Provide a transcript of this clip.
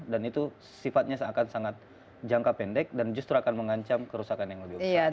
dan itu sifatnya akan sangat jangka pendek dan justru akan mengancam kerusakan yang lebih besar